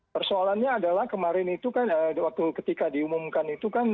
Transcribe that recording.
persoalannya adalah kemarin itu kan waktu ketika diumumkan itu kan